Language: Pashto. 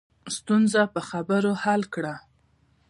ستونزه په خبرو حل کړه